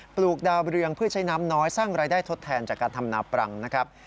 ปลูกดาวเรืองเพื่อใช้น้ำน้อยสร้างรายได้ทดแทนจากการทำนาปรังนะครับ